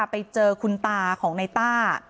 ไปเจอคุณตาของในต้า